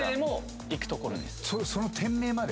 その店名まで？